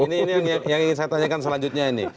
ini yang ingin saya tanyakan selanjutnya ini